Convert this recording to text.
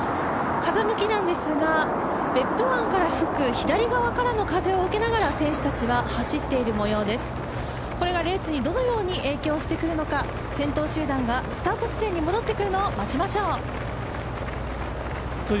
風向きなんですが、別府湾から吹く左側からの風を受けながら選手たちは走っている模様です、これがレースにどのように影響してくるのか、先頭集団がスタート地点に戻ってくるのを待ちましょう。